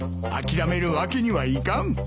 諦めるわけにはいかん。